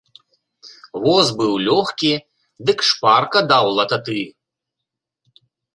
Воз быў лёгкі, дык шпарка даў лататы.